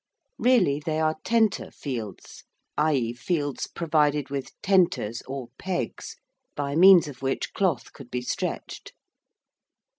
Really, they are tenter fields, i.e. fields provided with 'tenters,' or pegs, by means of which cloth could be stretched.